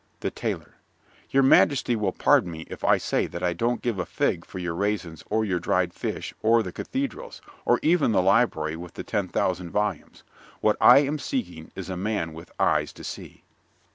THE TAILOR Your majesty will pardon me if I say that I don't give a fig for your raisins or your dried fish or the cathedrals, or even the library with the 10,000 volumes. What I am seeking is a man with eyes to see.